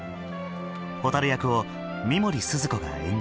蛍役を三森すずこが演じる。